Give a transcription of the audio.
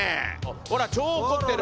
ほら超怒ってる。